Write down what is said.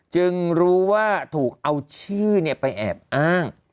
จึงรู้ว่าถูกเอาชื่อไปแอบอ้าง